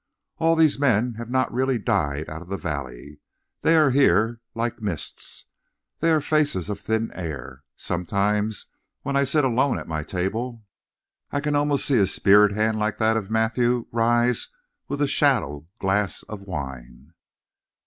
"All these men have not really died out of the valley. They are here, like mists; they are faces of thin air. Sometimes when I sit alone at my table, I can almost see a spirit hand like that of Matthew rise with a shadow glass of wine.